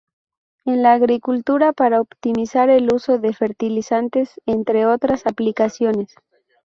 En la agricultura, para optimizar el uso de fertilizantes, entre otras aplicaciones.